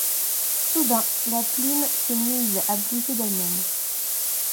Soudain la plume s'est mise à bouger d'elle-même.